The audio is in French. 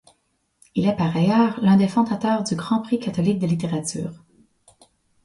Il est par ailleurs l'un des fondateurs du Grand Prix catholique de littérature.